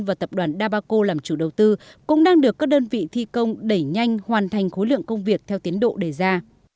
và tập đoàn dabaco làm chủ đầu tư cũng đang được các đơn vị thi công đẩy nhanh hoàn thành khối lượng công việc theo tiến độ đề ra